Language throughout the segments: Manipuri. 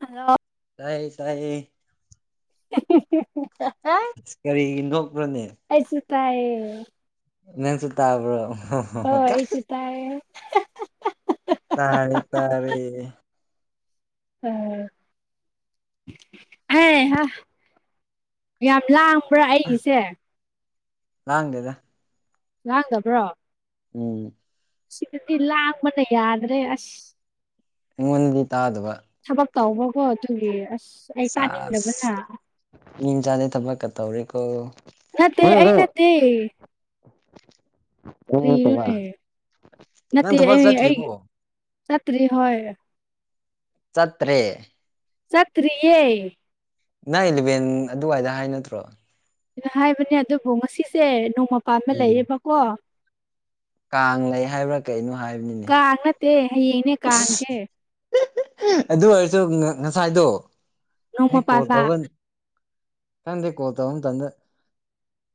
ꯍꯜꯂꯣ ꯇꯥꯏꯌꯦ ꯇꯥꯏꯌꯦ꯫ [inaudible] ꯑꯁ ꯀꯔꯤꯒꯤ ꯅꯣꯛꯄ꯭ꯔꯥꯅꯦ꯫ ꯑꯩꯁꯨ ꯇꯥꯌꯦ꯫ ꯅꯪꯁꯨ ꯇꯥꯕ꯭ꯔꯣ ꯍꯣ ꯑꯩꯁꯨ ꯇꯥꯏꯌꯦ꯫ ꯇꯥꯔꯦ ꯇꯔꯦ꯫ ꯌꯥꯝ ꯂ ꯄꯨ ꯑꯩ ꯒꯤꯁꯦ꯫ ꯂꯥꯡꯗꯦꯗ ꯂꯥꯡꯗꯕ꯭ꯔꯣ ꯎꯝ ꯁꯤꯒꯗꯤ ꯂꯥꯡꯕꯅ ꯌꯗ꯭ꯔꯦ ꯑꯁ ꯑꯩꯉꯣꯟꯗꯗꯤ ꯇꯥꯗꯕ꯫ ꯊꯕꯛ ꯇꯧꯕꯀꯣ ꯑꯗꯨꯒꯤ ꯑꯁ ꯑꯩ ꯆꯥꯁ ꯇꯥꯅꯤꯡꯗꯕꯅ꯫ ꯃꯤ ꯃꯆꯥꯗꯦ ꯊꯕꯛꯀ ꯇꯧꯔꯦꯀꯣ꯫ ꯅꯠꯇꯦ ꯑꯩ ꯅꯠꯇꯦ ꯀꯔꯤꯅꯣꯅꯦ [unintelligible] [inaudible] ꯅꯪ ꯅꯠꯇꯦ ꯊꯕꯛ ꯑꯩ ꯑꯩ ꯆꯠꯇ꯭ꯔꯤꯕꯣ꯫ ꯆꯠꯇ꯭ꯔꯤ ꯍꯣꯏ꯫ ꯆꯠꯇ꯭ꯔꯦ꯫ ꯆꯠꯇ꯭ꯔꯤꯌꯦ꯫ ꯅꯪ ꯏꯂꯚꯦꯟ ꯑꯗꯨꯋꯥꯏꯗ ꯍꯥꯏ ꯅꯠꯇ꯭ꯔꯣ꯫ ꯍꯥꯏꯕꯅꯦ ꯑꯗꯨꯕꯨ ꯉꯁꯤꯁꯦ ꯅꯣꯡꯃ ꯄꯥꯟꯕ ꯎꯝ ꯂꯩꯌꯦꯕꯀꯣ꯫ ꯀꯥꯡ ꯂꯩꯌꯦ ꯍꯥꯏꯕ꯭ꯔꯥ ꯀꯩꯅꯣ ꯍꯥꯏꯕꯅꯤꯅꯦ ꯀꯥꯡ ꯅꯠꯇꯦ ꯍꯌꯦꯡꯅꯦ ꯀꯥꯡꯁꯦ ꯏꯁ꯫ [unintelligible] ꯑꯗꯨ ꯑꯣꯏꯔꯁꯨ ꯉꯁꯥꯏꯗꯣ ꯅꯣꯡꯃ ꯑꯩ ꯀꯣꯜ ꯄꯥꯟꯕ ꯇꯧꯕ ꯅꯪꯗꯤ ꯀꯣꯜ ꯇꯧꯕ ꯃꯇꯝꯗ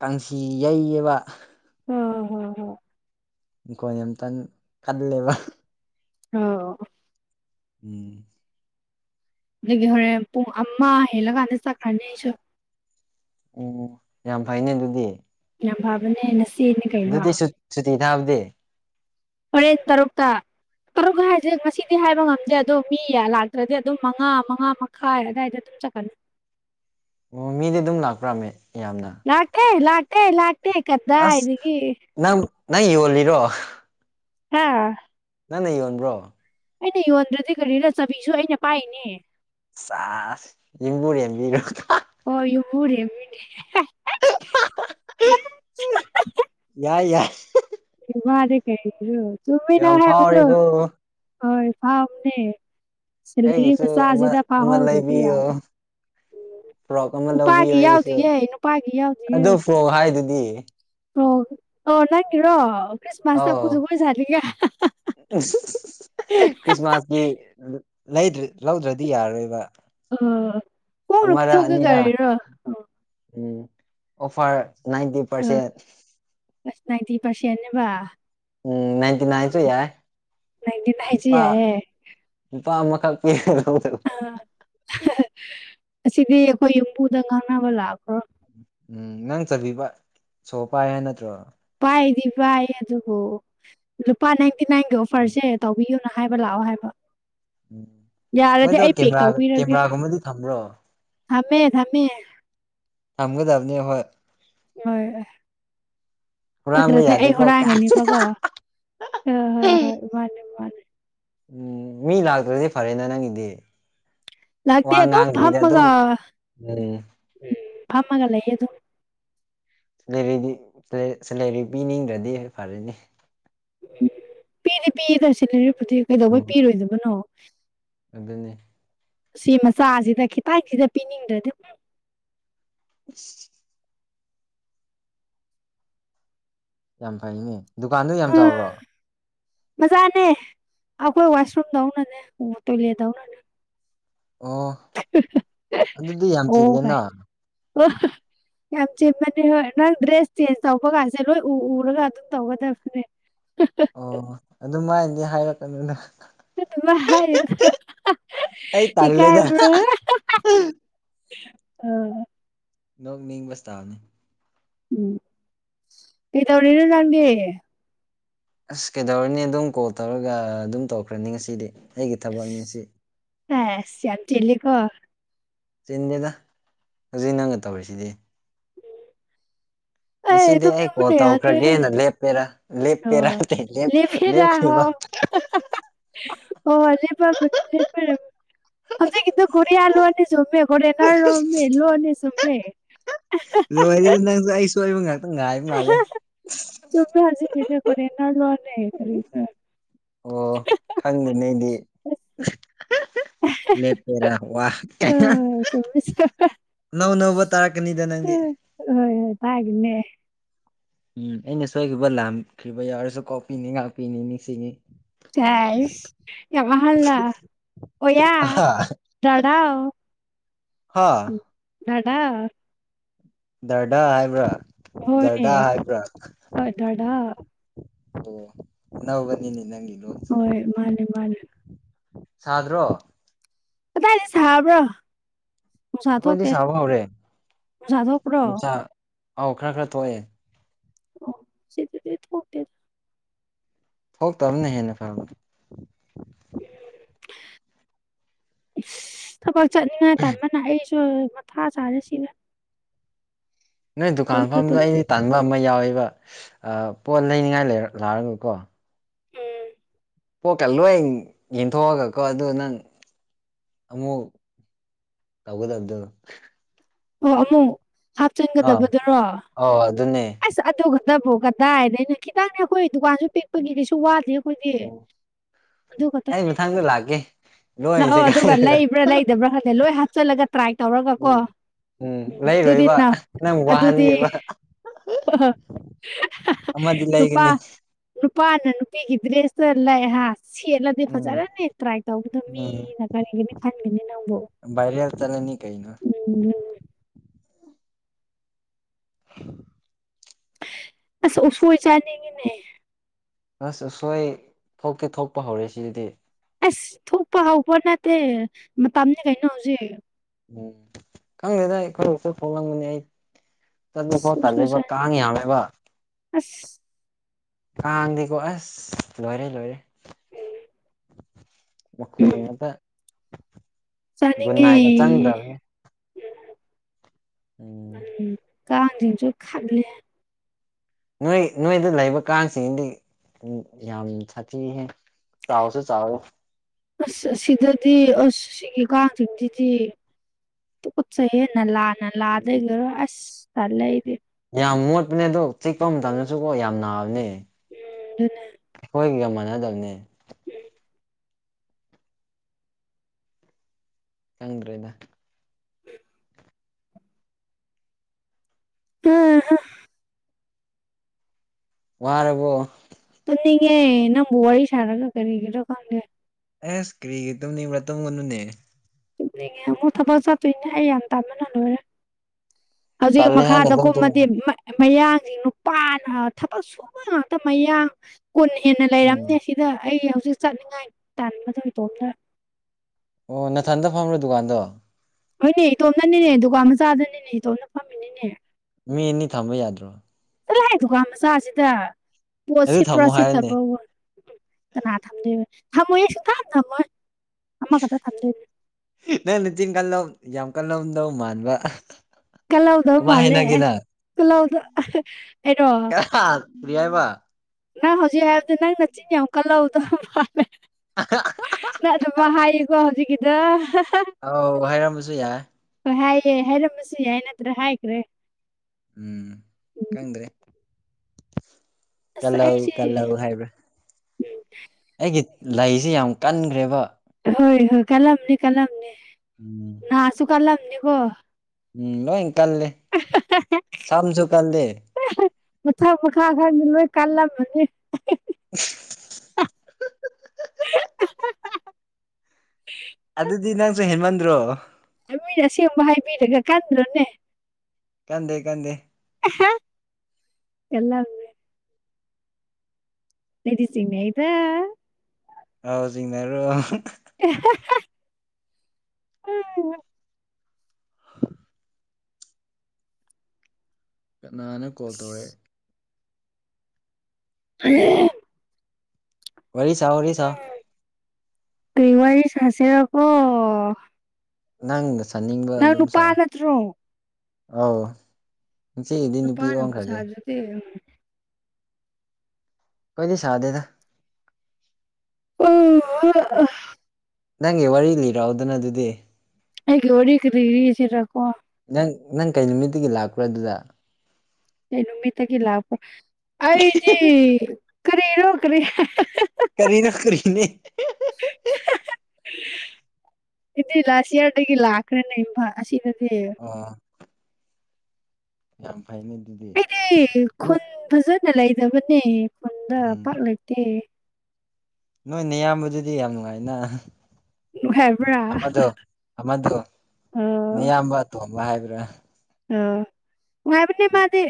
ꯀꯥꯡꯁꯤ ꯌꯩꯌꯦꯕ꯫ [unintelligible] ꯅꯈꫭꯟ ꯌꯥꯝ ꯇꯥꯅꯤꯡꯍꯜꯂꯦꯕ꯫ ꯑꯣ꯫ ꯎꯝ꯫ ꯗꯒꯤ ꯍꯣꯔꯦꯟ ꯄꯨꯡ ꯑꯃ ꯍꯦꯜꯂꯀꯥꯟꯗ ꯆꯠꯈ꯭ꯔꯅꯤ ꯑꯩꯁꯨ꯫ ꯎꯝ ꯌꯥꯝ ꯐꯩꯅꯦ ꯗꯨꯗꯤ꯫ ꯌꯥꯝ ꯐꯥꯕꯅꯦ ꯅꯆꯦꯅꯦ ꯀꯩꯅꯣ꯫ ꯁꯨ- ꯁꯨꯇꯤ ꯊꯥꯕꯗꯤ ꯍꫭꯔꯦꯟ ꯇꯔꯨꯛꯇ꯫ ꯇꯔꯨꯛ ꯍꯥꯏꯁꯦ ꯉꯁꯤꯗꯤ ꯍꯥꯏꯕ ꯉꯝꯗꯦ ꯑꯗꯣ ꯃꯤ ꯂꯥꯛꯇ꯭ꯔꯗꯤ ꯑꯗꯨꯝ ꯃꯉꯥ ꯃꯉꯥ ꯃ ꯈꯥꯏ ꯑꯗꯥꯏ ꯑꯗꯨꯝ ꯆꯠꯈ꯭ꯔꯅꯤ꯫ ꯑꯣ ꯃꯤꯗꯤ ꯑꯗꯨꯝ ꯂꯥꯛꯄ꯭ꯔꯥ ꯃꯦ ꯌꯥꯝꯅ꯫ ꯂꯥꯛꯇꯦ ꯂꯥꯛꯇꯦ ꯂꯥꯛꯇꯦ ꯑꯁ ꯀꯗꯥꯏꯗꯒꯤ꯫ ꯅꯪ ꯅꯪ ꯌꯣꯜꯂꯤꯔꯣ꯫ ꯍꯥꯥ꯫ ꯅꯪꯅ ꯌꯣꯟꯕ꯭ꯔꯣ꯫ ꯑꯩꯅ ꯌꯣꯟꯗ꯭ꯔꯗꯤ ꯀꯔꯤꯔ ꯆꯕꯤꯁꯨ ꯑꯩꯅ ꯄꯥꯏꯅꯦ꯫ ꯁꯥꯖ ꯌꯦꯝꯕꯨꯔꯦꯝꯕꯤꯔꯣ [unintelligible] ꯍꫭꯏ ꯌꯨꯝꯕꯨꯔꯦꯝꯕꯤꯅꯦ꯫ [unintelligible] ꯌꯥꯏ ꯌꯥꯏ꯫ ꯏꯋꯥꯗꯤ ꯀꯩꯅꯣ ꯆꯨꯝꯃꯤ ꯌꯥꯝ ꯅꯪ ꯍꯥꯏꯕꯗꯣ ꯐꯥꯎꯔꯦꯀꯣ ꯍꯣꯏ ꯐꯥꯝꯅꯦ꯫ ꯁꯦꯂꯔꯤ ꯑꯩꯒꯤꯁꯨ ꯑꯃ ꯃꯆꯥꯁꯤꯗ ꯑꯃ ꯐꯥꯍꯧꯗ꯭ꯔꯗꯤ ꯂꯩꯕꯤꯌꯣ ꯌꯥꯗ꯭ꯔꯦ꯫ ꯐ꯭ꯔꯣꯛ ꯑꯃ ꯂꯧꯕꯤꯌꯣ ꯅꯨꯄꯥꯒꯤ ꯌꯥꯎꯗꯤꯌꯦ ꯅꯨꯄꯥꯒꯤ ꯌꯥꯎꯗꯤꯌꯦ꯫ ꯁꯣ ꯍꯥꯏꯗꯨꯗꯤ꯫ ꯁꫭ ꯑꯣ ꯅꯪꯒꯤꯔꯣ꯫ ꯈ꯭ꯔꯤꯁꯃꯥꯁꯇ ꯑꯃꯨꯛ ꯑꯧ ꯖꯒꯣꯏ ꯁꯅꯤꯡꯉꯥꯏ꯫ [unintelligible] ꯗꯤ ꯂꯩꯗ꯭ꯔ ꯂꯧꯗ꯭ꯔꯗꯤ ꯌꯥꯔꯣꯏꯕ꯫ ꯑ ꯍꯣꯡꯅ ꯑꯃꯔ ꯄꯤꯊꯣꯛꯀꯦ ꯑꯅꯤꯔ ꯀꯔꯤꯔꯣ ꯎꯝ ꯑꯣꯐꯔ ꯅꯥꯏꯟꯇꯤ ꯑ ꯄꯔꯁꯦꯟ꯫ ꯑꯁ ꯅꯥꯏꯟꯇꯤ ꯄꯔꯁꯦꯅꯦꯕꯥ꯫ ꯎꯝ ꯅꯥꯏꯟꯇꯤ ꯅꯥꯏꯟꯁꯨ ꯌꯥꯏ ꯅꯥꯏꯟꯇꯤꯟ ꯍꯥꯏꯁꯤ ꯂꯨꯄꯥ ꯌꯥꯏꯌꯦ ꯂꯨꯄꯥ ꯑꯃꯈꯛ ꯄꯤꯔ ꯂꯧꯗꫭꯕ꯫ [unintelligible] [unintelligible] ꯑꯁꯤꯗꯤ ꯑꯩꯈꯣꯏ ꯌꯨꯝꯕꯨꯗ ꯉꯥꯡꯅꯕ ꯂꯥꯛꯈ꯭ꯔꯣ꯫ ꯎꯝ ꯅꯪ ꯆꯥꯕꯤ ꯕ ꯁꯣ ꯄꯥꯏ ꯍꯥꯏ ꯅꯠꯇ꯭ꯔꯣ꯫ ꯄꯥꯏꯗꯤ ꯄꯥꯏ ꯑꯗꯨꯕꯨ ꯂꯨꯄꯥ ꯅꯥꯏꯟꯇꯤ ꯅꯥꯏꯟꯒꯤ ꯎꯝ ꯑꯣꯐꯔꯁꯦ ꯇꯧꯕꯤꯌꯨ ꯅ ꯍꯥꯏꯕ ꯂꯥꯛꯑꯣ ꯍꯥꯏꯕ ꯎꯝ ꯌꯥꯔꯗꯤ ꯃꯣꯏꯗꯣ ꯑꯩ ꯄꯦꯛ ꯀꯦꯃꯦꯔꯥ ꯇꯧꯕꯤꯔꯒꯦ꯫ ꯀꯦꯃꯦꯔꯥꯒꯨꯝꯕꯗꯤ ꯊꯝꯕ꯭ꯔꯣ ꯊꯝꯃꯦ-ꯊꯝꯃꯦ꯫ ꯊꯝꯒꯗꯕꯅꯤ ꯍꯣꯏ꯫ ꯍꯨꯔꯥꯟꯕ ꯅꯠꯗ꯭ꯔꯗꯤ ꯑꯩ ꯌꯥꯗꯦꯀꯣ ꯀꯥꯁ! ꯍꯨꯔꯥꯡꯒꯅꯤꯕꯀꯣ ꯍꯣꯏ ꯍꯣꯏ ꯍꯣꯏ ꯃꯥꯅꯦ-ꯃꯥꯅꯦ꯫ ꯎꯝ ꯃꯤ ꯂꯥꯛꯇ꯭ꯔꯗꯤ ꯐꯔꯦꯅꯦ ꯅꯪꯒꯤꯗꯤ ꯫ ꯂꯥꯛꯇꯦ ꯗꯨꯝ ꯐꯝꯃꯒ ꯑꯗꯨꯝ ꯎꯝ ꯐꯝꯃꯒ ꯂꯩꯌꯦ ꯑꯗꯨꯝ ꯫ [unintelligible] ꯁꯦꯂꯔꯤ ꯄꯤꯅꯤꯡꯗ꯭ꯔꯗꯤ ꯐꯔꯅꯤ ꯄꯤꯗꯤ ꯄꯤꯌꯦꯗ ꯁꯦꯂꯔꯤꯕꯨꯗꯤ ꯀꯩꯗꯧꯕꯩ ꯎꯝ ꯄꯤꯔꯣꯏꯗꯕꯅꯣ ꯫ ꯑꯗꯨꯅꯤ ꯁꯤ ꯃꯆꯥꯁꯤꯗ ꯈꯤꯇꯪ ꯁꯤꯗ ꯄꯤꯅꯤꯡꯗ꯭ꯔꯗꯤ [unintelligible] ꯌꯥꯝ ꯐꯩꯅꯦ ꯗꯨꯀꯥꯟꯗꯣ ꯌꯥꯝ ꯎꯝ ꯆꯥꯎꯕꯔꯣ ꯃꯆꯥꯅꯦ ꯑꯩꯈꯣꯏ ꯋꯥꯁꯔꯨꯝꯗꯧꯅꯅꯦ ꯇꯣꯏꯂꯦꯠ ꯇꯧꯅꯅꯦ ꯫ ꯑꯣ ꯑꯗꯨꯗꯤ ꯌꯥꯝ ꯑꯣ ꯆꯤꯜꯂꯦꯅ ꯀꯥꯏꯅ ꯌꯥꯝ ꯆꯤꯟꯕꯅꯤ ꯍꯣꯏ ꯅꯪ ꯗ꯭ꯔꯦꯁ ꯆꯦꯟꯖ ꯇꯧꯕ ꯀꯥꯟꯁꯦ ꯂꯣꯏ ꯎ ꯎꯔꯒ ꯑꯗꯨꯝ ꯇꯧꯒꯗꯕꯅꯦ ꯫ [unintelligible] ꯑꯣ ꯑꯗꯨꯃꯥꯏꯅꯗꯤ ꯍꯥꯏꯔꯛꯀꯅꯨꯗ ꯫ ꯑꯗꯨꯃꯥꯏ, [unintelligible] ꯑꯩ ꯇꯜꯂꯦꯗ ꯏꯀꯥꯏꯕꯔꯣ ꯑꯥ ꯅꯣꯡ ꯅꯤꯡꯕꯁꯇꯥꯥꯕꯅꯤ ꯎꯝ ꯀꯗꯧꯔꯣꯅꯤ ꯅꯪꯗꯤ ꯑꯁ ꯀꯩꯗꯧꯔꯨꯅꯤ ꯑꯗꯨꯝ ꯀꯣꯜ ꯇꯧꯔꯒ ꯑꯗꯨꯝ ꯇꯧꯔꯈ꯭ꯔꯅꯤ ꯉꯁꯤꯗꯤ ꯑꯩꯒꯤ ꯊꯕꯛꯅꯤ ꯁꯤ ꯁꯦꯖ ꯌꯥꯝ ꯆꯤꯜꯂꯤꯀꯣ ꯫ ꯆꯤꯟꯗꯦꯗ ꯍꯧꯖꯤꯛ ꯅꯪꯅ ꯇꯧꯔꯤꯁꯤꯗꯤ ꯉꯁꯤꯗꯤ ꯑꯩ ꯀꯣꯜ ꯇꯨꯝꯅꯤꯡꯕꯅ ꯌꯥꯗ꯭ꯔꯦ ꯇꯧꯈ꯭ꯔꯒꯦꯅ ꯂꯦꯞꯄꯦꯔꯥ ꯂꯦꯞ ꯄꯦꯔꯦ ꯑꯣ ꯂꯦꯞ ꯂꯦꯞꯈꯩꯕ ꯑꯣ ꯂꯩꯕ ꯃꯅꯤ ꯂꯩꯔ ꯍꯧꯁ ꯀꯗ ꯀꯔꯤꯌꯥ ꯂꯨꯅꯤ ꯆꯃꯦꯦ ꯀꯔꯤꯦꯉꯥ ꯔꯃꯦꯃꯦ ꯂꯨꯅꯤ ꯆꯃꯦ ꯂꯣꯏꯔꯗꯤ ꯅꯪꯁꯨ ꯑꯩꯁꯨꯣꯏꯕ ꯉꯥꯛꯇ ꯉꯥꯏꯕ ꯃꯥꯜꯂꯦ ꯆꯣꯃꯦ ꯍꯥꯖꯤ ꯀꯗꯦ ꯄꯅ ꯂꯅꯦꯔꯤꯗ ꯑꯣ ꯈꯪꯗꯅꯤꯗꯤ ꯑꯁ ꯂꯦꯄꯦꯔꯥ ꯋꯥ ꯀ ꯁ ꯅꯧ ꯅꯧꯕ ꯇꯥꯔꯛꯀꯅꯤꯗ ꯅꯪꯗꯤ ꯍꯣꯏ ꯍꯣꯏ ꯇꯥꯒꯅꯦ ꯎꯝ ꯑꯩꯅ ꯁꯣꯏꯈꯤꯕ ꯂꯥꯈ꯭ꯈꯤꯕ ꯌꯥꯎꯔꯁꯨ ꯀꯣꯄꯤꯤꯅꯤ ꯉꯥꯛꯄꯤꯅꯤ ꯅꯤꯡꯁꯤꯡꯉꯤ ꯇꯁ ꯌꯥꯃ ꯍꯜꯂ ꯑꯣ ꯌꯥ ꯑꯍꯥ ꯗꯥꯎ ꯍꯥ ꯂꯗꯥ ꯗꯔꯗꯥ ꯍꯥꯏꯕ꯭ꯔꯥ ꯍꯣꯏꯅꯦ ꯗꯔꯗꯥ ꯍꯥꯏꯕ꯭ꯔꯥ ꯍꯣꯏ ꯗꯥꯗꯥ ꯑꯣ ꯅꯅꯥꯕꯅꯤꯅꯤ ꯅꯪ ꯂꯣꯁꯨ ꯍꯣꯏ ꯃꯥꯅꯦ ꯃꯥꯅꯦ ꯁꯥꯗ꯭ꯔꯣ ꯀꯗꯥꯏꯗ ꯁꯥꯕ꯭ꯔꯣ ꯎꯨꯝꯁꯥ ꯑꯩꯈꯣꯏꯗꯤ ꯊꯣꯛꯣꯛꯀꯦ ꯁꯥꯕ ꯍꯧꯔꯦ ꯎꯨꯝꯁꯥꯊꯣꯛꯄ꯭ꯔꯣ ꯅꯨꯡꯁꯥ ꯑꯧ ꯈꯔ ꯈꯔ ꯊꯣꯛꯑꯦ ꯑꯣ ꯁꯤꯦ ꯊꯣꯛꯇꯕꯅ ꯍꯦꯟꯅ ꯐꯕꯅꯤ ꯊꯕꯛ ꯆꯠꯅꯤꯡꯉꯥꯏ ꯇꯃꯅ ꯑꯩꯁꯨ ꯃꯊꯥ ꯁꯥꯥꯔꯦ ꯁꯤꯔꯦ ꯅꯣꯏ ꯗꯨꯀꯥꯟ ꯃꯐꯝꯗꯣ ꯑꯩꯗꯤ ꯇꯥꯟꯕ ꯑꯃ ꯌꯥꯎꯋꯦꯕ ꯄꯣꯠ ꯂꯩꯅꯤꯉꯥꯏ ꯂꯥꯛꯔꯒꯀꯣ ꯎꯝ ꯄꯣꯛꯠꯀ ꯂꯣꯏ ꯌꯦꯟꯊꯣꯛꯑꯒꯀꯣ ꯑꯗꯨ ꯅꯪ ꯑꯃꯨꯛ ꯇꯧꯒꯗꯗꯣ ꯑꯣ ꯑꯃꯨꯛ ꯑꯥ ꯑꯧ ꯑꯗꯨꯅꯦ ꯍꯥꯞꯆꯤꯟꯒꯗꯕꯗꯨꯔꯣꯁ ꯑꯗꯨ ꯈꯛꯇꯕꯨ ꯀꯗꯥꯏꯗꯩꯅꯣ ꯈꯤꯇꯪꯅꯦ ꯑꯩꯈꯣꯏ ꯗꯨꯀꯥꯟꯁꯨ ꯄꯤꯛꯄꯒꯤ ꯀꯩꯁꯨ ꯋꯥꯗꯦ ꯑꯩꯈꯣꯏꯗꯤ ꯑꯗꯨ ꯑꯦ ꯈꯛꯇꯅꯦ ꯃꯊꯪꯗ ꯂꯥꯒꯦ ꯂꯥꯛꯑꯣ ꯑꯗꯨꯒ ꯂꯩꯕ꯭ꯔꯥ ꯂꯩꯗꯕ꯭ꯔꯥ ꯈꯜꯂꯦ ꯂꯣꯏ ꯍꯥꯞꯆꯤꯜꯂꯒ ꯇ꯭ꯔꯥꯏ ꯇꯧꯔꯒ ꯀꯣ ꯎꯝ ꯎꯝ ꯑꯗꯨꯗꯤ ꯂꯩꯔꯣꯏꯕ ꯅ ꯅꯪ ꯋꯥꯍꯟꯒꯦꯕ ꯑꯃꯗꯤ ꯅꯨꯨꯄꯥ ꯂꯩꯒꯅꯤ ꯅꯨꯄꯥꯅ ꯅꯨꯄꯤꯒꯤ ꯗ꯭ꯔꯦꯁꯇ ꯂꯩ ꯍꯥ ꯁꯦꯠꯂ ꯑꯗꯨꯗꯤ ꯎꯝ ꯐꯖꯔꯅꯤ ꯇ꯭ꯔꯥꯏ ꯇꯧꯒꯗꯕ ꯎꯝ ꯃꯤꯅ ꯀꯔꯤꯒꯤꯅꯤ ꯈꯟꯒꯅꯤ ꯅꯪꯕꯨ ꯐꯠꯆꯥꯔꯅꯤ ꯀꯩꯅꯣ ꯎꯝ [inaudible] ꯑꯁ ꯎꯁꯣꯏ ꯆꯥꯅꯤꯡꯉꯤꯅꯦ ꯑꯁ ꯑꯁꯣꯏ ꯊꯣꯛꯇꯤ ꯊꯣꯛꯄ ꯍꯧꯔꯦ ꯁꯤꯗꯥꯗꯤ ꯑꯁ ꯊꯣꯛꯄ ꯍꯧꯕ ꯅꯠꯇꯦ ꯃꯇꯝꯅꯤ ꯀꯩꯅꯣ ꯍꯧꯖꯤꯛ ꯎꯝ ꯈꯪꯗꯦꯗ ꯑꯩ ꯈꯔꯁꯣꯏ ꯊꯣꯛꯂꯝꯒꯅꯤ ꯑꯩ ꯑꯁ ꯆꯠꯄꯐꯥꯎ ꯎꯁꯣꯏ ꯇꯜꯂꯦꯕ ꯆꯥꯅꯤꯡ ꯀꯥꯡ ꯌꯥꯝꯃꯦꯕ ꯑꯁ ꯀꯥꯥꯡꯗꯤꯀꯣ ꯑꯁ ꯂꯣꯏꯔꯦ ꯂꯣꯏꯔꯦ ꯎꯝ ꯃꯈꯣꯟ ꯉꯥꯛꯇ ꯆꯥꯅꯤꯡꯉꯦ ꯒꯨꯟꯅꯥꯏꯒꯥ ꯆꯪꯗ꯭ꯔꯕꯅꯦ ꯎꯝ ꯀꯥꯡꯖꯤꯡꯁꯨ ꯈꯥꯠꯂꯦ ꯅꯣꯏ ꯅꯣꯏꯗ ꯂꯩꯕ ꯀꯥꯡꯁꯤꯗꯤ ꯌꯥꯝ ꯁꯥꯊꯤꯍꯦ ꯆꯥꯎꯁꯦ ꯆꯥꯎꯋꯦ ꯑꯁ ꯑꯁꯤꯗꯗꯤ ꯑꯁ ꯁꯤꯒꯤ ꯀꯥꯡꯁꯤꯡꯁꯤꯗꯤ ꯇꯨꯀꯠꯆꯩꯁꯦ ꯅꯂꯥ ꯅꯂꯥ ꯗꯥꯒꯤꯔꯣ ꯑꯁ ꯇꯜꯂꯦ ꯑꯩꯗꯤ ꯌꯥꯝ ꯃꯣꯠꯄꯅꯦ ꯑꯗꯣ ꯆꯤꯛꯄ ꯃꯇꯝꯗꯁꯨ ꯀꯣ ꯌꯥꯝ ꯅꯥꯕꯅꯦ ꯎꯝ ꯑꯗꯨꯅꯦ ꯑꯩꯈꯣꯏꯒꯤꯒ ꯃꯥꯟꯅꯗꯕꯅꯦ ꯈꯪꯗ꯭ꯔꯦꯗ [unintelligible] ꯋꯥꯔꯥꯕꯣ ꯇꯨꯝꯅꯤꯡꯉꯦ ꯅꯪꯕꯨ ꯋꯥꯔꯤ ꯁꯥꯔꯒ ꯀꯔꯤꯒꯤꯔꯣ ꯈꯪꯗꯦ ꯑꯦꯁ ꯀꯔꯤꯒꯤ ꯇꯨꯝꯅꯤꯡꯕ꯭ꯔꯥ ꯇꯝꯒꯅꯨꯅꯦ ꯇꯨꯝꯅꯤꯡꯉꯦ ꯑꯃꯨꯛ ꯊꯕꯛ ꯆꯠꯇꯣꯏꯅꯦ ꯑꯩ ꯌꯥꯝ ꯇꯥꯟꯕꯅ ꯂꯣꯏꯔꯦ ꯍꯧꯖꯤꯛ ꯇꯜꯂꯦ ꯍꯥꯏꯅ ꯃꯈꯥꯗ ꯑꯗꯨꯝ ꯇꯨꯝ ꯀꯨꯝꯃꯗꯤ ꯃꯌꯥꯡꯒꯤ ꯅꯨꯄꯥꯅ ꯊꯕꯛ ꯁꯨꯕ ꯉꯥꯛꯇ ꯃꯌꯥꯡ ꯀꯨꯟ ꯍꯦꯟꯅ ꯎꯝ ꯂꯩꯔꯝꯅꯦ ꯁꯤꯗ ꯑꯩ ꯍꯧꯖꯤꯛ ꯆꯠꯅꯤꯡꯉꯥꯏ ꯇꯥꯟꯕꯗꯣ ꯏꯇꯣꯝꯇꯥ ꯑꯣ ꯅꯅꯥꯊꯟꯗ ꯐꯪꯝꯕ꯭ꯔꯣ ꯗꯨꯀꯥꯟꯗꯣ ꯍꯣꯏꯅꯦ ꯏꯇꯣꯝꯅꯅꯤꯅꯦ ꯗꯨꯀꯥꯟ ꯃꯆꯥꯗꯅꯤꯅꯦ ꯏꯇꯣꯝꯅ ꯐꯝ ꯐꯝꯃꯤꯅꯤꯅꯦ ꯃꯤ ꯑꯅꯤ ꯊꯝꯕ ꯌꯥꯗ꯭ꯔꯣ ꯆꯊꯣꯍꯦ ꯗꯨꯀꯥꯟ ꯃꯆꯥꯁꯤꯗ ꯄꯣꯠ ꯑꯗꯨ ꯁꯤꯠꯄ꯭ꯔꯥ ꯊꯝꯃꯣ ꯁꯤꯠꯇꯕ꯭ꯔ ꯍꯥꯏꯔꯅꯦ ꯑꯣꯏ ꯎꯝ ꯀꯅꯥ ꯊꯝꯗꯣꯏ ꯊꯝꯃꯣꯏꯌꯦ ꯁꯨꯡꯊꯥꯡ ꯊꯝꯃꯣꯏ ꯑꯃꯈꯛꯇ ꯊꯝꯗꯣꯏꯅꯦ ꯅꯪꯅ ꯆꯤꯡ ꯀꯜꯂꯣꯝ ꯌꯥꯝ ꯀꯜꯂꯣꯝꯗꯧ ꯃꯥꯟꯕ ꯀꯜꯂꯧꯗꯧ ꯀꯃꯥꯏ ꯃꯥꯜꯂꯦ ꯍꯥꯏꯅꯒꯦ ꯅꯪ ꯀꯜꯂꯧꯗꯧ ꯀꯩꯅꯣ ꯍꯥ ꯀꯔꯤ ꯍꯥꯏꯕ ꯅꯪ ꯍꯧꯖꯤꯛ ꯍꯥꯏꯕꯗꯣ ꯅꯪ ꯅꯆꯤꯟ ꯌꯥꯝ ꯀꯜꯂꯧꯗꯧ ꯃꯥꯜꯂꯦ ꯑꯥ ꯅꯪ ꯑꯗꯨꯃꯥꯏ ꯍꯥꯏꯌꯦꯀꯣ ꯍꯧꯖꯤꯛꯀꯤꯗꯣ ꯑꯧ ꯍꯥꯏꯔꯃꯁꯨ ꯌꯥꯏ ꯍꯣꯏ ꯍꯥꯏꯌꯦ ꯍꯥꯏꯔꯝꯃꯁꯨ ꯌꯥꯏ ꯅꯠꯇ꯭ꯔꯥ ꯍꯥꯏꯈ꯭ꯔꯦ ꯎꯝ ꯎꯝ ꯈꯪꯗ꯭ꯔꯦ ꯑꯁ ꯀꯜꯍꯧ ꯑꯩꯁꯦ ꯀꯜꯍꯎ ꯍꯥꯏꯕ꯭ꯔꯥ ꯑꯩꯒꯤ ꯂꯩꯁꯤ ꯌꯥꯝ ꯀꯟꯈ꯭ꯔꯦꯕ ꯍꯣꯏ ꯍꯣꯏ ꯀꯜꯂꯝꯅꯤ ꯀꯜꯂꯝꯅꯤ ꯎꯝ ꯅꯍꯥꯁꯨ ꯀꯜꯂꯝꯅꯤꯀꯣ ꯎꯝ ꯂꯣꯏ ꯀꯜꯂꯦ ꯁꯝꯁꯨ ꯀꯜꯂꯦ ꯃꯊꯛ ꯃꯈꯥ ꯈꯔꯗꯤ ꯂꯣꯏ ꯀꯥꯜꯂꯝꯃꯅꯤ [unintelligible] ꯑꯗꯨꯗꯤ ꯅꯪꯁꯨ ꯍꯦꯟꯃꯟꯗ꯭ꯔꯣ ꯃꯤꯅ ꯑꯁꯦꯡꯕ ꯍꯥꯏꯕꯤꯔꯒ ꯀꯟꯗ꯭ꯔꯣꯅꯦ ꯀꯗ ꯀꯗ ꯑꯦꯂ ꯂꯩꯗꯤꯁꯤꯡꯅꯦ ꯑꯩꯗ ꯑꯥꯎ ꯆꯤꯡꯃꯔꯣ ꯎꯝ ꯀꯅꯥ ꯍꯥꯏꯟꯅ ꯀꯣꯜ ꯇꯧꯔꯛꯑꯦ ꯎ ꯋꯥꯔꯤꯔꯤ ꯁꯥ ꯑꯣꯏꯔꯤ ꯁꯥ ꯀꯦ ꯋꯥꯔꯤ ꯆꯥꯁꯦ ꯑꯀꯣ ꯅꯪꯅ ꯆꯥꯅꯤꯡꯕ ꯑꯗꯨꯝ ꯅꯨꯄꯥ ꯁꯥ ꯅꯠꯇ꯭ꯔꯣ ꯑꯧ ꯉꯁꯤꯒꯤꯗꯤ ꯅꯨꯄꯤ ꯄꯥꯅꯅꯕꯁ ꯑꯣꯟꯈ꯭ꯔꯒꯦ ꯑꯗꯗꯤ ꯀꯩ ꯁꯥ ꯑꯗꯦꯗ ꯑꯣ ꯅꯪꯒꯤ ꯋꯥꯔꯤ ꯂꯤꯔꯛꯑꯣꯗꯅ ꯑꯗꯨꯗꯤ ꯑꯩꯒꯤꯦꯔꯤ ꯀꯔꯤꯁꯤꯔꯀꯣ ꯅꯪ ꯅꯪ ꯀꯩ ꯅꯨꯃꯤꯠꯇꯒꯤ ꯂꯥꯛꯄ꯭ꯔꯣ ꯑꯗꯨꯗ ꯑꯩ ꯅꯨꯃꯤꯠꯇꯒꯤ ꯂꯥꯛꯄ ꯑꯩꯗꯤ ꯀꯔꯤꯔꯣ ꯀꯔꯤ ꯀꯔꯤꯅ ꯀꯔꯤꯅꯦ [unintelligible] ꯑꯗꯨꯗꯤ ꯂꯥꯁ ꯏꯌꯥꯔꯗꯒꯤ ꯂꯥꯛꯈ꯭ꯔꯦꯅꯦ ꯏꯝꯐꯥꯜ ꯑꯁꯤꯗꯗꯤ ꯑ ꯌꯥꯝ ꯐꯩꯅꯦ ꯑꯗꯨꯗꯤ ꯑꯩꯗꯤ ꯅꯣꯏ ꯈꯨꯟ ꯐꯖꯅ ꯂꯩꯗꯕꯅꯦ ꯈꯨꯟꯗ ꯄꯥꯛ ꯂꯩꯇꯦ ꯅꯣꯏꯅꯦ ꯏꯌꯥꯝꯕꯗꯨꯗꯤ ꯌꯥꯝ ꯅꯨꯡꯉꯥꯏꯅ ꯍꯥꯏꯕ꯭ꯔꯥ ꯑꯃꯗꯣ ꯑꯃꯗꯣ ꯑ ꯑꯌꯥꯝꯕ ꯇꯣꯝꯕ ꯍꯥꯏꯕ꯭ꯔꯥ ꯑ ꯋꯥꯥꯏꯕ ꯃꯥꯗꯤ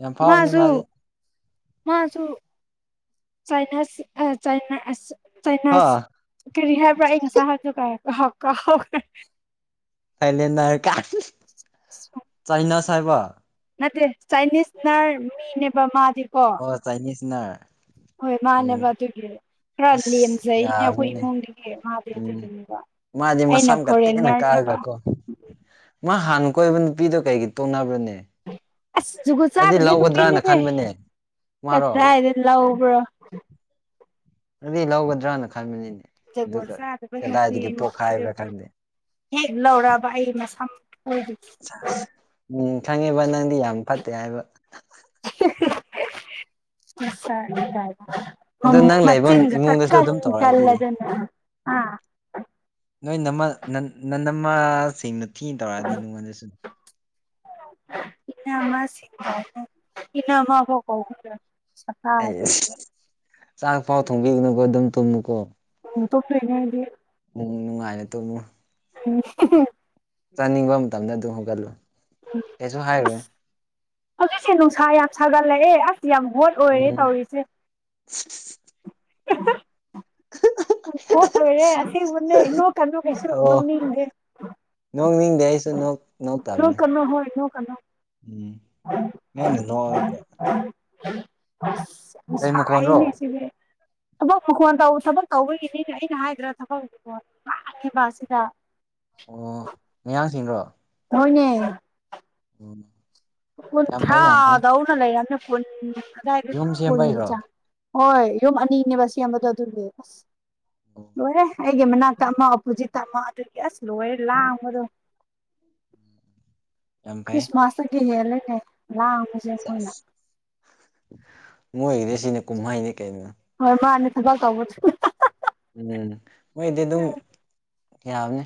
ꯌꯥꯝ ꯐꯥꯎꯕꯅꯦ ꯃꯥꯁꯨ ꯃꯥꯗꯤ ꯃ ꯑꯁꯨ ꯆꯅꯥ ꯍꯥ ꯆꯅꯥꯁ ꯀꯔꯤ ꯍꯥꯏꯕ꯭ꯔꯥ ꯑꯩ ꯉꯁꯥꯏ ꯍꯥꯏꯖꯒꯥꯏꯀ ꯊꯥꯏꯂꯦꯟꯅꯔ ꯀꯥ ꯍ ꯆꯥꯏꯅꯥꯁ ꯍꯥꯏꯕ ꯅꯠꯇꯦ ꯆꯥꯏꯅꯤꯁ ꯅꯔ ꯃꯤꯅꯦꯕ ꯃꯥꯗꯤꯀꯣ ꯑꯣ ꯆꯥꯏꯅꯤꯁꯅꯔ ꯍꯣꯏ ꯃꯥꯅꯦꯕ ꯑꯣ ꯑꯗꯨꯒꯤ ꯈꯔ ꯑꯁ ꯂꯦꯝꯖꯩꯅꯦ ꯑꯩꯈꯣꯏ ꯌꯥꯕꯅꯤꯅꯦ ꯏꯃꯨꯡꯗꯒꯤ ꯃꯥꯕ ꯎꯝ ꯇꯣꯏꯗꯣꯏꯅꯦꯕ ꯃꯥꯗꯤ ꯃꯁꯥꯝ ꯀ ꯇꯅ ꯀꯥꯒ ꯀꯣ ꯃꯥ ꯍꯥꯟꯅ ꯀꯣꯏꯕ ꯅꯨꯄꯤꯗꯣ ꯀꯩꯒꯤ ꯇꯣꯡꯅꯕ꯭ꯔꯅꯦ ꯑꯁ ꯖꯒꯨ ꯆꯥꯗꯗꯣꯏ ꯅꯨꯄꯤꯤꯅꯦꯃꯦ ꯈꯟꯕꯅꯦ ꯃꯥꯔꯣ ꯀꯗ꯭ꯔ ꯍꯥꯏꯗꯅ ꯂꯕ꯭ꯔꯣ ꯑꯗꯨꯗꯤ ꯂꯧꯒꯗ꯭ꯔꯅ ꯈꯟꯕꯅꯤꯅꯦ ꯖꯨꯒꯣꯠ ꯑꯗꯨꯒ ꯆꯥꯗꯕ ꯅꯨꯄꯤ ꯀꯗꯥꯏꯗꯒꯤ ꯄꯣꯛꯈꯥꯏꯕ꯭ꯔꯥ ꯅꯨꯄꯤꯗꯨꯕꯨ ꯈꯪꯗꯦ ꯍꯦꯛ ꯂꯧꯑꯔꯕ ꯑꯩ ꯃꯁꯥꯗ ꯆ ꯎꯝ ꯈꯪꯉꯦꯕ ꯅꯪꯗꯤ ꯌꯥꯝ ꯐꯠꯇꯦ ꯍꯥꯏꯕ [unintelligible] ꯃꯦ ꯑꯗꯣ ꯅꯪ ꯂꯩꯕ ꯀꯥ ꯏꯃꯨꯡꯗꯁꯨ ꯑꯗꯨꯝ ꯏ ꯇꯧꯔꯛꯑꯗꯤ ꯀꯗ ꯑ ꯅꯣꯏ ꯅꯃ ꯅ ꯅꯃꯁꯤꯡꯅ ꯊꯤꯅ ꯇꯧꯔꯛꯑꯗꯤ ꯅꯉꯣꯟꯗꯁꯨ ꯏꯅꯃ ꯁꯤ ꯏꯅꯃ ꯀ ꯑꯩꯁ ꯆꯥꯛ ꯐꯥꯎ ꯊꯣꯡꯕꯤꯒꯅꯨꯀꯣ ꯑꯗꯨꯝ ꯇꯨꯝꯃꯨꯀꯣ ꯎ ꯇꯣ ꯐꯔꯤꯅꯦꯗꯤ ꯅꯅꯨꯡ ꯅꯨꯡꯉꯥꯏꯅ ꯇꯨꯝꯃꯨ [unintelligible] ꯆꯥꯅꯤꯡꯕ ꯃꯇꯝꯗ ꯑꯗꯨꯝ ꯍꯧꯡꯒꯠꯂꯨ ꯀꯩꯁꯨ ꯍꯥꯏꯈꯨꯔꯦ ꯍꯧꯖꯤꯛꯁꯦ ꯅꯨꯡꯁꯥ ꯌꯥꯝ ꯁꯥꯒꯠꯂꯛꯑꯦ ꯑꯁ ꯌꯥꯝ ꯚꯣꯠ ꯑꯣꯏꯔꯦ ꯎꯝ ꯇꯧꯔꯤꯁꯦ [unintelligible] [unintelligible] ꯍꯣꯠ ꯑꯣꯏꯔꯦ ꯑꯁꯤ ꯎꯟꯅꯣ ꯀꯩꯅꯣ ꯀꯩꯁꯨ ꯑꯣ ꯉꯧꯅꯤꯡꯗꯦ ꯅꯣꯛꯅꯤꯡꯗꯦ ꯑꯩꯁꯨ ꯅꯣꯛ ꯊ ꯅꯣꯛꯇꯕꯅꯦ ꯀꯅꯥ ꯍꯣꯏ ꯊꯣ ꯀꯅꯥ ꯎꯝ ꯅꯪꯅ ꯅꯣꯛꯑꯒ ꯀꯩ ꯃꯈꯣꯟꯔꯣ ꯁꯥꯏꯅꯤ ꯁꯤ ꯊꯃꯣ ꯍ ꯀꯃꯟ ꯇ ꯀꯕꯨ ꯊꯕ ꯇꯧꯕꯒꯤꯅꯦꯅꯦ ꯑꯩꯅ ꯍꯥꯏꯗ꯭ꯔꯥ ꯊꯕꯛꯁꯤꯀꯣ ꯂꯥꯡꯉꯤꯕ ꯑꯁꯤꯗ ꯑꯣ ꯃꯌꯥꯡꯁꯤꯡ꯭ꯔꯣ ꯍꯣꯏꯅꯦ ꯑ ꯊ ꯌꯥꯎꯅ ꯂꯩꯅ ꯐꯣꯟꯗꯥ ꯌꯨꯝ ꯁꯦꯝꯕꯩꯔꯣ ꯐꯣꯟꯆꯥ ꯍꯣꯏ ꯌꯨꯝ ꯑꯅꯤꯅꯦꯕ ꯁꯦꯝꯕꯗꯣ ꯑꯗꯨꯅꯦ ꯑꯁ ꯑꯣ ꯂꯣꯏꯔꯦ ꯑꯩꯒꯤ ꯃꯅꯥꯛꯇ ꯑꯝꯃꯄꯨꯖꯤ ꯇꯝꯃ ꯑꯗꯨꯒꯤ ꯑꯁ ꯂꯣꯏ ꯂꯥꯡꯕꯗꯣ ꯌꯥꯝ ꯐꯩ ꯈ꯭ꯔꯤꯁꯃꯥꯁꯗꯒꯤ ꯍꯦꯜꯂꯦꯅꯦ ꯂꯥꯡꯕꯁꯦ ꯃꯣꯏꯅ ꯃꯣꯏꯒꯤꯗꯤ ꯁꯤꯅ ꯀꯨꯝꯍꯩꯅꯤ ꯀꯩꯅꯣ ꯍꯣꯏ ꯃꯥꯅꯦ ꯊꯕꯛ ꯇꯧꯕꯁꯨ ꯎꯝ ꯃꯣꯏꯗꯤ ꯑꯗꯨꯝ ꯌꯥꯕꯅꯤ